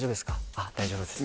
「あっ大丈夫です」